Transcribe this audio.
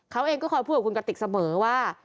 เขาเองก็คอยพูดกับคุณกติกเสมอว่า